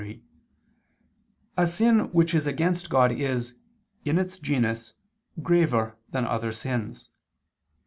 3) a sin which is against God is, in its genus, graver than other sins.